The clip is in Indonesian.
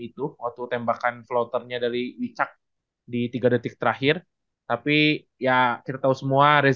itu waktu tembakan floternya dari wicak di tiga detik terakhir tapi ya kita tahu semua